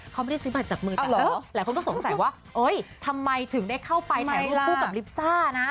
เขาไม่ได้ซื้อบัตรจับมือตลอดหลายคนก็สงสัยว่าเอ้ยทำไมถึงได้เข้าไปถ่ายรูปคู่กับลิซ่านะ